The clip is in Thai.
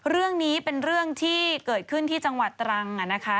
เรื่องนี้เป็นเรื่องที่เกิดขึ้นที่จังหวัดตรังนะคะ